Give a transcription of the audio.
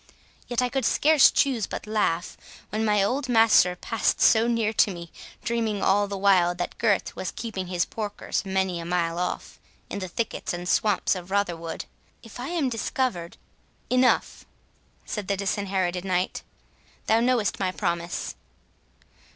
Yet I could scarce choose but laugh, when my old master passed so near to me, dreaming all the while that Gurth was keeping his porkers many a mile off, in the thickets and swamps of Rotherwood. If I am discovered— " "Enough," said the Disinherited Knight, "thou knowest my promise."